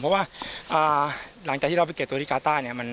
เพราะว่าหลังจากที่เราไปเก็บตัวที่กาต้าเนี่ย